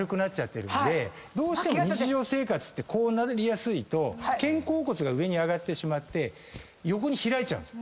どうしても日常生活ってこうなりやすいと肩甲骨が上に上がってしまって横に開いちゃうんです。